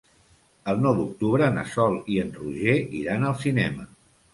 El nou d'octubre na Sol i en Roger iran al cinema.